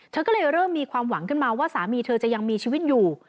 เธอก็เลยเริ่มมีความหวังขึ้นมาว่าสามีเธอจะยังมีชีวิตอยู่